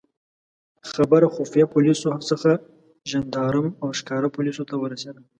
خبره خفیه پولیسو څخه ژندارم او ښکاره پولیسو ته ورسېده.